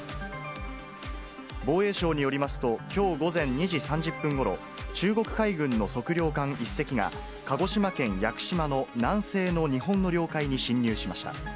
防衛省によりますと、きょう午前２時３０分ごろ、中国海軍の測量艦１隻が、鹿児島県屋久島の南西の日本の領海に侵入しました。